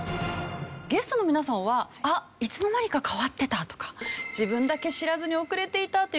ゲストの皆さんはあっいつの間にか変わってたとか自分だけ知らずに遅れていたという事ありませんか？